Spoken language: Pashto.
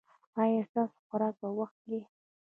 ایا ستاسو خوراک په وخت دی؟